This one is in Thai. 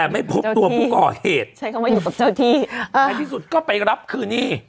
ในที่สุดก็ไปรับพื้นนี่